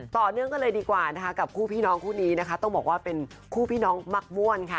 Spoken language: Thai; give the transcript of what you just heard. ต่อเนื่องกันเลยดีกว่านะคะกับคู่พี่น้องคู่นี้นะคะต้องบอกว่าเป็นคู่พี่น้องมักม่วนค่ะ